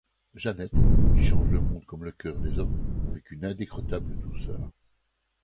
Jeannette, qui change le monde comme le cœur des hommes avec une indécrottable douceur.